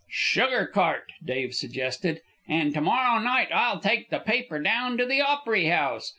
"Sugar cart," Dave suggested. "An' to morrow night I'll take the paper down to the Opery House.